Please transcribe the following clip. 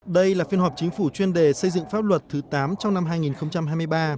đây là phiên họp chính phủ chuyên đề xây dựng pháp luật thứ tám trong năm hai nghìn hai mươi ba